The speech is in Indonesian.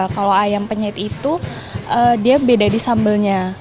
kalau ayam penyit itu dia beda di sambelnya